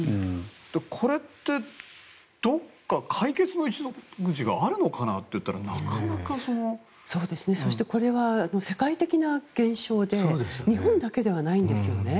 これって、どこか解決の糸口があるのかなと思ったらこれは世界的な現象で日本だけではないんですよね。